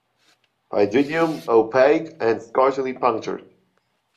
Pygidium opaque and scarcely punctured.